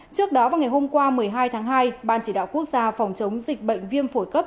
trước đó vào ngày hôm qua một mươi hai tháng hai ban chỉ đạo quốc gia phòng chống dịch bệnh viêm phổi cấp